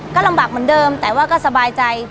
ก็ลำบากเหมือนเดิมแต่ว่าก็สบายใจ